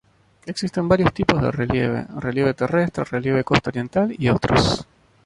Existen varios tipos de relieve: relieve terrestre, relieve costa oriental y otros.